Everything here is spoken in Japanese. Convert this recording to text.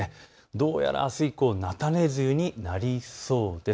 どうやらあす以降、菜種梅雨になりそうです。